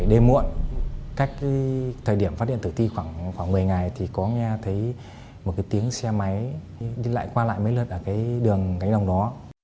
đêm muộn cách thời điểm phát điện tử ti khoảng một mươi ngày thì có nghe thấy một cái tiếng xe máy đi lại qua lại mấy lượt ở cái đường cánh đồng đó